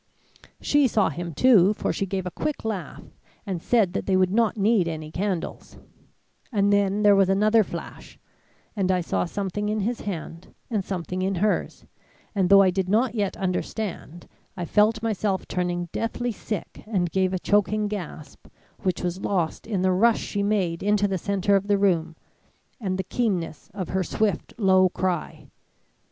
"She saw him too, for she gave a quick laugh and said they would not need any candles; and then, there was another flash and I saw something in his hand and something in hers, and though I did not yet understand, I felt myself turning deathly sick and gave a choking gasp which was lost in the rush she made into the centre of the room, and the keenness of her swift low cry.